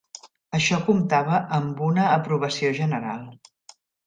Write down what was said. Això comptava amb una aprovació general.